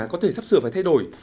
có thể sắp sửa phải thay đổi